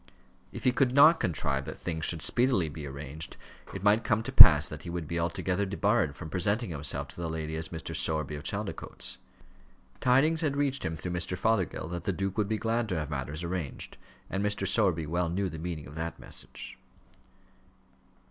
If he could not contrive that things should speedily be arranged, it might come to pass that he would be altogether debarred from presenting himself to the lady as Mr. Sowerby of Chaldicotes. Tidings had reached him, through Mr. Fothergill, that the duke would be glad to have matters arranged; and Mr. Sowerby well knew the meaning of that message.